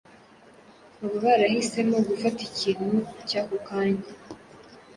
Baba barahisemo gufata ikintu “cy’ako kanya.”